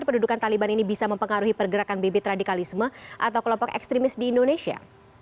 apa pendudukan taliban ini bisa mempengaruhi pergerakan bb tradikalisme atau kelompok ekstremis di indonesia